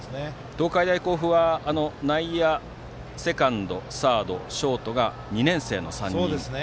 東海大甲府は内野のセカンド、サードショートが２年生の３人。